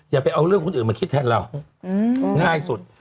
อย่าไปเอาเรื่องคนอื่นมาคิดแทนเราง่ายสุด